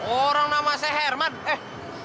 orang namanya herman eh